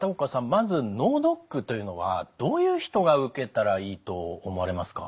まず脳ドックというのはどういう人が受けたらいいと思われますか？